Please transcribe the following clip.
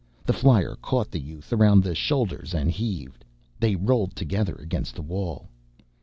The flyer caught the youth around the shoulders and heaved. They rolled together against the wall.